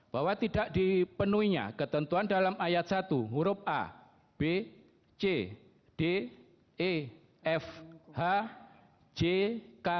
bahwa tidak dipenuhinya ketentuan dalam ayat satu huruf a b c d e f h j k dan l